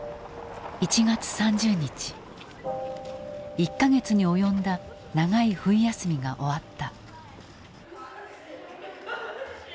１か月に及んだ長い冬休みが終わった。